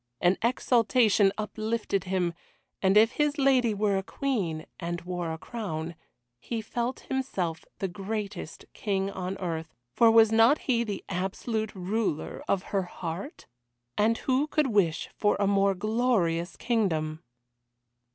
An exaltation uplifted him. And if his lady were a Queen, and wore a crown, he felt himself the greatest king on earth, for was not he the absolute ruler of her heart? And who could wish for a more glorious kingdom?